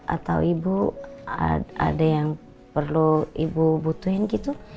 atau ibu ada yang perlu ibu butuhin gitu